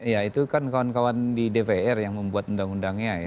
ya itu kan kawan kawan di dpr yang membuat undang undangnya ya